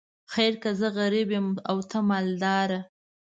خیر که زه غریب یم او ته مالداره.